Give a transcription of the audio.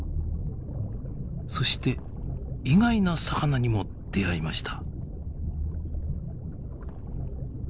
そして意外な魚にも出会いました。